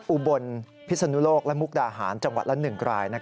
อุบลพิศนุโลกและมุกดาหารจังหวัดละ๑ราย